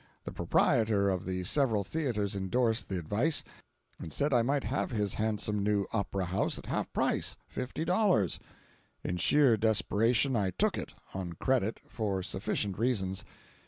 The proprietor of the several theatres endorsed the advice, and said I might have his handsome new opera house at half price—fifty dollars. In sheer desperation I took it—on credit, for sufficient reasons.